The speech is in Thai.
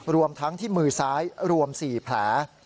รวมทั้งที่มือซ้ายรวม๔แผล